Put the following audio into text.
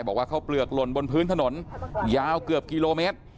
บอกว่าข้าวเปลือกหล่นบนพื้นถนนยาวเกือบกิโลเมตร